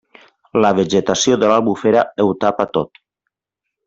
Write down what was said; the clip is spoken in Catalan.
La vegetació de l'Albufera ho tapa tot.